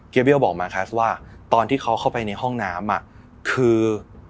เบี้ยวบอกมาคัสว่าตอนที่เขาเข้าไปในห้องน้ำคือ